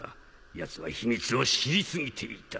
ヤツは秘密を知り過ぎていた。